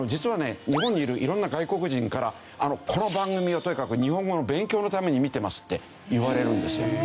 日本にいるいろんな外国人から「この番組をとにかく日本語の勉強のために見てます」って言われるんですよ。